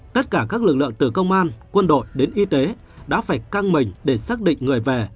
tất cả các lực lượng từ công an quân đội đến y tế đã phải căng mình để xác định người về